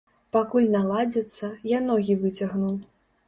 Пакуль наладзіцца, я ногі выцягну!